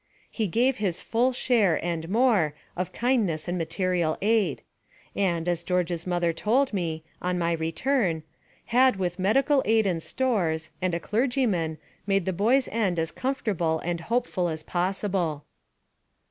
He gave his full share, and more, of kindness and material aid; and, as George's mother told me, on my return, had with medical aid and stores, and a clergyman, made the boy's end as comfortable and hopeful as possible.